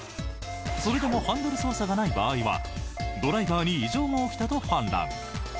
それでもハンドル操作がない場合はドライバーに異常が起きたと判断。